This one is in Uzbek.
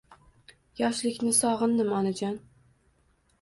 Yoshlikni sogindim onajon